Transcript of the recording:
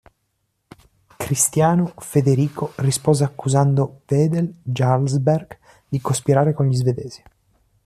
Cristiano Federico rispose accusando Wedel-Jarlsberg di cospirare con gli svedesi.